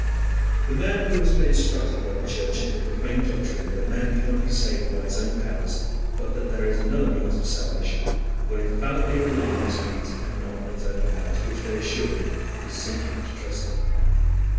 The man who has been instructed by the Church in the profane doctrine that a man cannot be saved by his own powers, but that there is another means of salvation, will infallibly rely upon this means and not on his own powers, which, they assure him, it is sinful to trust in.